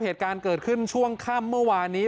เหตุการณ์เกิดขึ้นช่วงค่ำเมื่อวานนี้